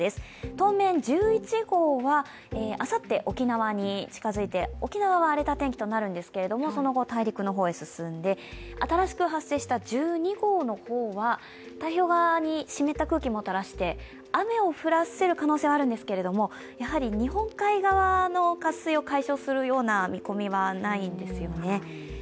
当面１１号はあさって沖縄に近づいて沖縄は荒れた天気となるんですけどもその後大陸の方に進んで新しく発生した１２号の方は太平洋側に湿った空気をもたらして雨を降らせる可能性はあるんですけどもやはり日本海側の渇水を解消するような見込みはないんですよね。